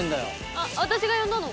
「あっ私が呼んだの」